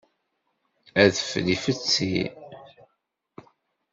Adfel ifetti.